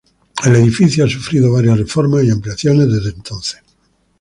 El edificio ha sufrido varias reformas y ampliaciones desde entonces.